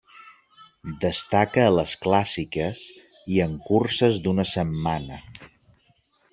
Destaca a les clàssiques i en curses d'una setmana.